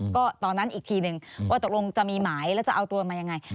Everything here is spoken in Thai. ก็ตอนนั้นอีกทีนึงว่าตกลงจะมีหมายแล้วจะเอาตัวมายังไง